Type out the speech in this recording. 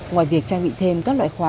ngoài việc trang bị thêm các loại khóa